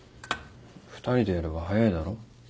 ２人でやれば早いだろ。